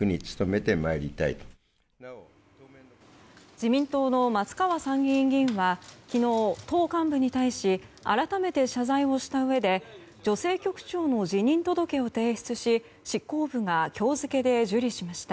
自民党の松川参議院議員は昨日、党幹部に対し改めて謝罪をしたうえで女性局長の辞任届を提出し執行部が今日付で受理しました。